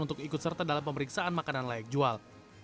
untuk ikut serta dalam pemeriksaan makanan layak jual